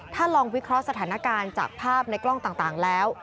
ถ้าลองวิเคราะห์สถานการณ์จากภาพในกล้องต่างแล้ว